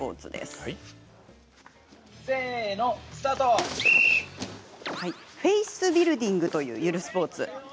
こちらはフェイスビルディングというゆるスポーツです。